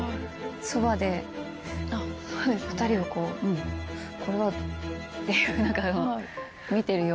２人をこう「これは」っていう何か見てるような２人。